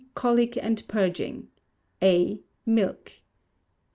Colic and purging. A. Milk.